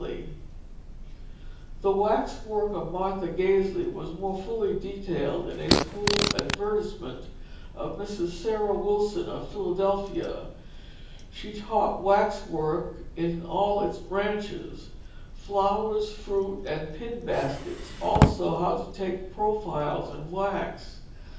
[Illustration: Flowered Apron] The waxwork of Martha Gazley was more fully detailed in a school advertisement of Mrs. Sarah Wilson of Philadelphia. She taught "waxworks in all its branches"; flowers, fruit, and pin baskets, also "how to take profiles in wax."